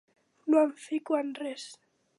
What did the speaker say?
No em fico en res.